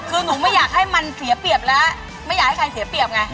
คือหนูไม่อยากให้มันเสียเปรียบแล้วไม่อยากให้ใครเสียเปรียบไง